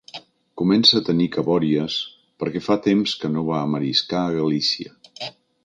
Comença a tenir cabòries perquè fa temps que no va a mariscar a Galícia.